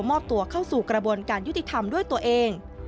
มอบตัวเข้าสู่กระบวนการยุติธรรมด้วยตัวเอง